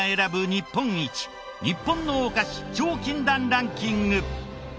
日本のお菓子超禁断ランキング。